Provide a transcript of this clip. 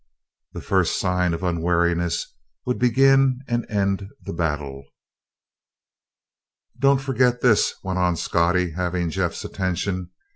The first sign of unwariness would begin and end the battle. "Don't forget this," went on Scottie, having Jeff's attention.